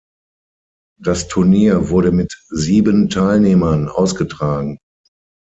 Das Turnier wurde mit sieben Teilnehmern ausgetragen.